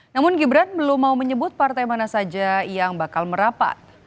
namun gibran belum mau menyebut partai mana saja yang bakal merapat